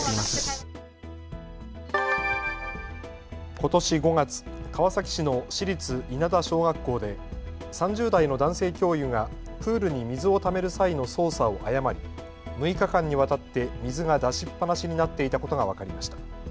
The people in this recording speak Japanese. ことし５月、川崎市の市立稲田小学校で３０代の男性教諭がプールに水をためる際の操作を誤り６日間にわたって水が出しっぱなしになっていたことが分かりました。